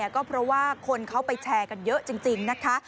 ก็เพราะว่าคนเขาไปแชร์กันเยอะจริงนะคะ